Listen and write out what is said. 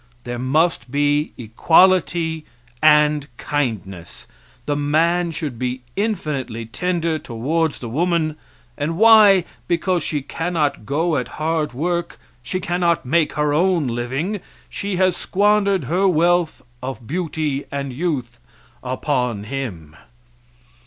There must be equality and kindness. The man should be infinitely tender towards the woman and why? because she cannot go at hard work, she cannot make her own living. She has squandered her wealth of beauty and youth upon him.